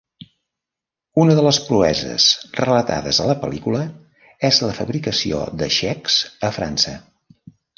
Una de les proeses relatades a la pel·lícula és la fabricació de xecs a França.